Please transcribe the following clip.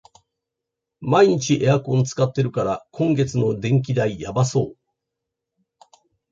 毎日エアコン使ってるから、今月の電気代やばそう